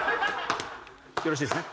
よろしいですね？